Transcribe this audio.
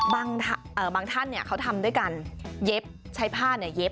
บางท่านเขาทำด้วยการเย็บใช้ผ้าเย็บ